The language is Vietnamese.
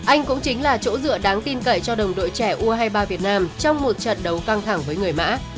anh cũng chính là chỗ dựa đáng tin cậy cho đồng đội trẻ u hai mươi ba việt nam trong một trận đấu căng thẳng với người mã